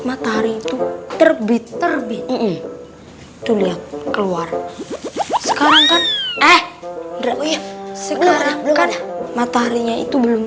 matahari itu terbit terbit tuh lihat keluar sekarang kan eh sekarang mataharinya itu belum